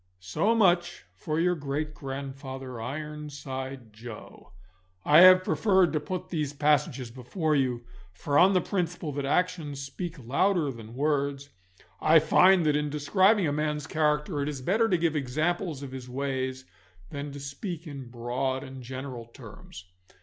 So much for your great grandfather, Ironside Joe. I have preferred to put these passages before you, for on the principle that actions speak louder than words, I find that in describing a man's character it is better to give examples of his ways than to speak in broad and general terms.